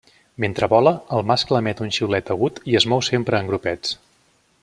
Mentre vola, el mascle emet un xiulet agut i es mou sempre en grupets.